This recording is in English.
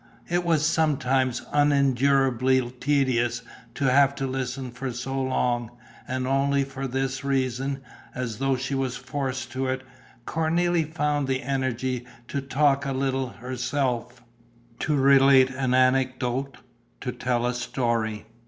It was sometimes unendurably tedious to have to listen for so long; and only for this reason, as though she were forced to it, Cornélie found the energy to talk a little herself, to relate an anecdote, to tell a story.